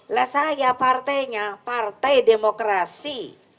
lah saya partainya partai demokrasi